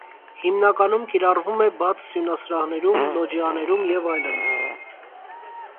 Հիմնականում կիրառվում է բաց սյունասրահներում, լոջիաներում և այլն։